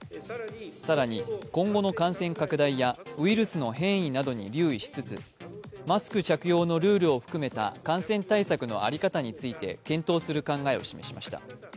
更に今後の感染拡大やウイルスの変異などに留意しつつマスク着用のルールを含めた感染対策の在り方について検討する考えを示しました。